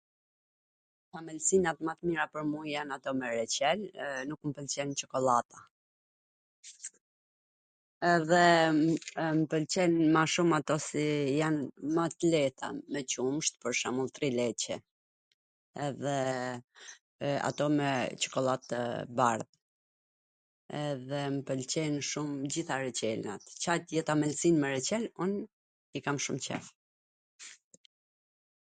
Amwlsinat ma t mira pwr mu jan ato me reCel, e nuk mw pwlqen Cokollata, edhe mw pwlqen ma shum ato si jan ma t leeta, me qumsht pwr shembull trileCe, dhe ato me Cokollat tw bardh, edhe mw pwlqejn shum tw gjitha reCelnat, Ca t jet amwlsin me reCel un i kam shum qef.